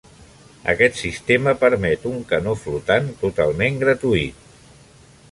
Aquest sistema permet un canó flotant totalment gratuït.